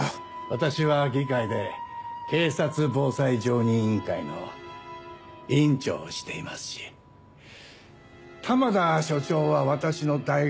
私は議会で警察・防災常任委員会の委員長をしていますし玉田署長は私の大学の後輩でもある。